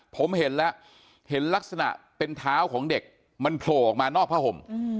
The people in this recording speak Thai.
ผมเห็นแล้วเห็นลักษณะเป็นเท้าของเด็กมันโผล่ออกมานอกผ้าห่ม